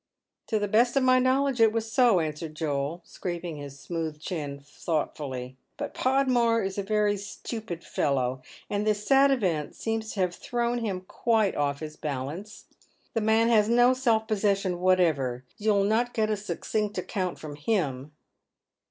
" To the best of my knowledge it was so, answers Joel, scraping his smooth chin thoughtfully. " But Podmore is a very stupid fellow, and this sad event seems to have thrown him quite off his balance. The man has no self possession whatever. You'll not get a succinct account from him."